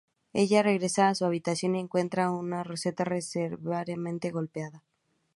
Ella regresa a su habitación y encuentra a Rosetta severamente golpeada.